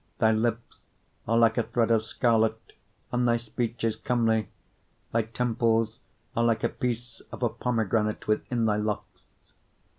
4:3 Thy lips are like a thread of scarlet, and thy speech is comely: thy temples are like a piece of a pomegranate within thy locks.